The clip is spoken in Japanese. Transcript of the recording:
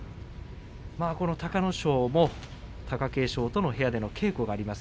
隆の勝も、貴景勝との部屋での稽古があります。